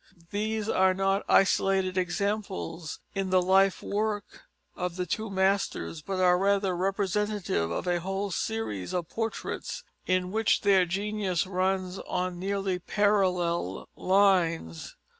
These are not isolated examples in the life work of the two masters, but are rather representative of a whole series of portraits in which their genius runs on nearly parallel lines.